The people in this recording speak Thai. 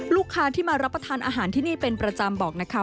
ลูกค้าที่มารับประทานอาหารที่นี่เป็นประจำบอกนะคะ